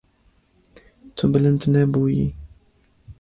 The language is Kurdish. Tu bilind nebûyî.